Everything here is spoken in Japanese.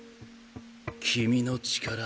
君の力